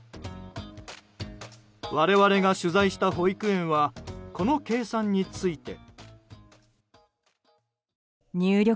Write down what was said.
我々が取材した保育園はこの計算について。